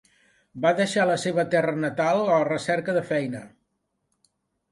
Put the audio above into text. Va deixar la seva terra natal a la recerca de feina.